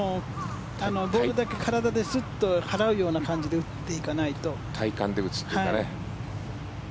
ボールだけ体でスッと払うような感じで体幹で打つというかね。